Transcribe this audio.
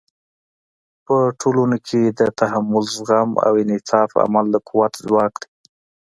په ټولنو کې د تحمل، زغم او انعطاف عمل د قوت ځواک دی.